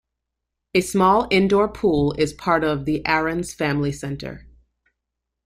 A small indoor pool is part of the Ahrens Family Center.